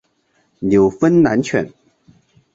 纽芬兰犬。